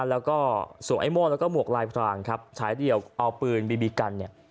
แล้วก็สวมไอ้โม่งแล้วก็หมวกลายพรางครับฉายเดียวเอาปืนบีบีกันเนี่ย